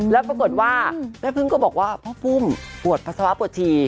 แล้วปรากฏว่าแม่พึ่งก็บอกว่าพ่อฟุ่มปวดปัสสาวะปวดชี